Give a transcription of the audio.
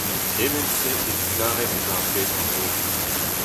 Kement-se evit lâret ez a ar bed war-raok.